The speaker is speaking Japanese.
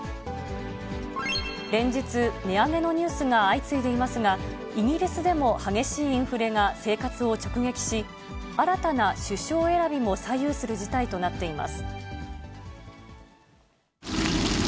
連日、値上げのニュースが相次いでいますが、イギリスでも激しいインフレが生活を直撃し、新たな首相選びも左右する事態となっています。